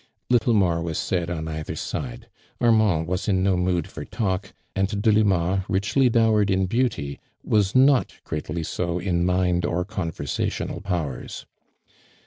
Little more was said on either side. Armand was in no mood for talk, and Deli ma richly dowered in beauty, was not greatly *o in mind «»• conversational powers.